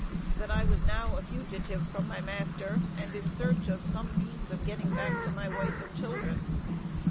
That I was now a fugitive from my master, and in search of some means of getting back to my wife and children.